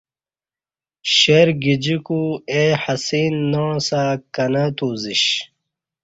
شیر گجیکو اے حصین ناعسہ کہ نہ اتو زیش